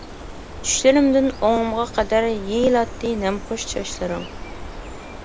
چۈشلىرىمدىن ئوڭۇمغا قەدەر، يېيىلاتتى نەمخۇش چاچلىرىڭ.